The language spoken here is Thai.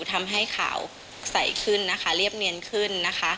ทำให้ขาวใสขึ้นนะคะเรียบเนียนขึ้นนะคะ